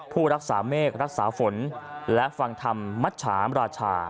ผู้รักษาเมฆรักษาฝนและฟังธรรมมัชชามราชา